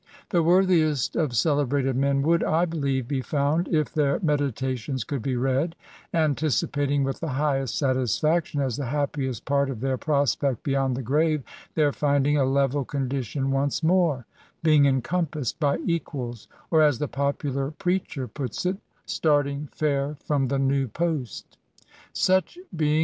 The worthiest of celebrated men would, I believe, be found, if their meditations could be read, anticipating with the highest satisfaction, as the happiest part of their prospect beyond the grave, their findix^ a level condition once more — ^being encompassed by equals — or, as the popular preacher puts it, starting fair from the new post Such being GAINS AND PRIVILEGES.